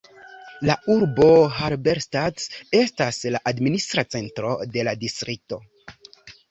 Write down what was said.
La urbo Halberstadt estas la administra centro de la distrikto.